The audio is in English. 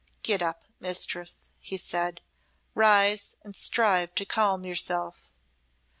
"Get up, Mistress," he said. "Rise and strive to calm yourself."